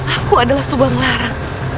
aku adalah subang larang